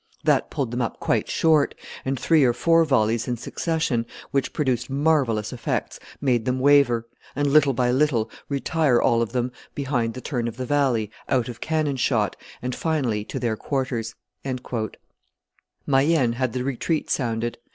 That pulled them up quite short; and three or four volleys in succession, which produced marvellous effects, made them waver, and, little by little, retire all of them behind the turn of the valley, out of cannon shot, and finally to their quarters." Mayenne had the retreat sounded.